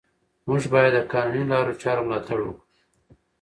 موږ باید د قانوني لارو چارو ملاتړ وکړو